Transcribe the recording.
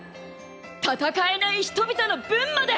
戦えない人々の分まで！